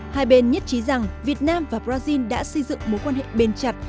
hai bên nhất trí rằng việt nam và brazil đã xây dựng mối quan hệ bền chặt